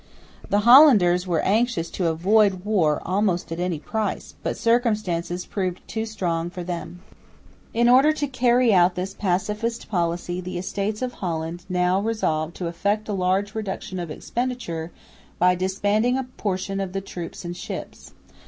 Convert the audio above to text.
The Hollanders were anxious to avoid war almost at any price, but circumstances proved too strong for them. In order to carry out this pacifist policy the Estates of Holland now resolved to effect a large reduction of expenditure by disbanding a portion of the troops and ships.